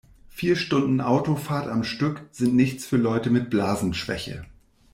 Vier Stunden Autofahrt am Stück sind nichts für Leute mit Blasenschwäche.